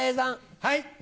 はい。